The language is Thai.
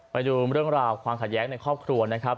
ไปดูเรื่องราวความขัดแย้งในครอบครัวนะครับ